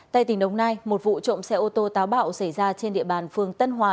tại tỉnh đồng nai một vụ trộm xe ô tô táo bạo xảy ra trên địa bàn phường tân hòa